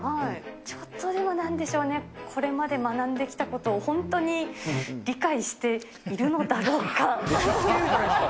ちょっと、でもなんでしょうね、これまで学んできたことを、本当に理解しているのだろうかという。